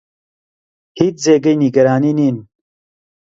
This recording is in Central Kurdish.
هیچ جێگەی نیگەرانی نین.